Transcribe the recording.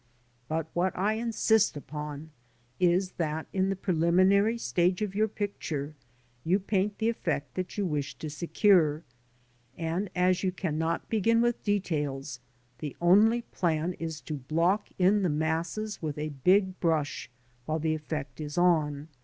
But what I insist upon is, that in the preliminary stage of your picture you paint the effect that you wish to secure, and as you cannot begin with details, the only plan is to block in the masses with a big brush while the effect is on.